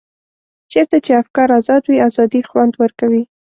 چېرته چې افکار ازاد وي ازادي خوند ورکوي.